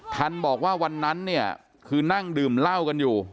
ทันบอกว่าวันนั้นเนี่ยคือนั่งดื่มเหล้ากันอยู่